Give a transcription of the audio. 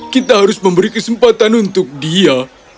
kita harus memberi kesempatan untuk dia